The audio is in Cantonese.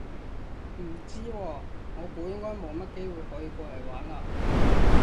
唔知喎，我估應該冇乜機會可以過嚟玩嘞